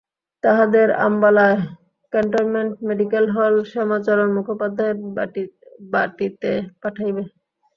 তাহাদের আম্বালায় cantonment medical hall, Shyamacharan মুখোপাধ্যায়ের বাটীতে পাঠাইবে।